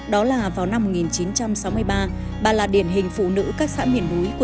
đó là vào năm một nghìn chín trăm sáu mươi ba bà là điển hình phụ nữ các xã miền núi của